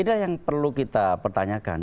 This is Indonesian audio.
tidak yang perlu kita pertanyakan